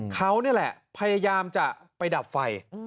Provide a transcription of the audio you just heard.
เขานี่แหละพยายามจะไปดับไฟ